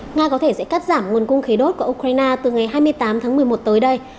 nga có thể sẽ cắt giảm nguồn cung khí đốt của ukraine từ ngày hai mươi tám tháng một mươi một tới đây